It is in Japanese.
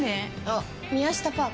あ宮下パーク？